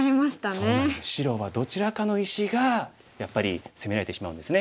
そうなんです白はどちらかの石がやっぱり攻められてしまうんですね。